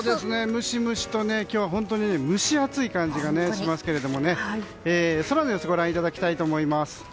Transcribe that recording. ムシムシと今日蒸し暑い感じがしますが空の様子ご覧いただきたいと思います。